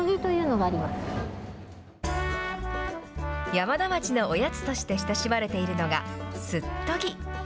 山田町のおやつとして親しまれているのがすっとぎ。